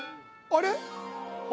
あれ？